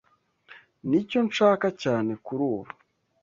Nicyo nshaka cyane kurubu.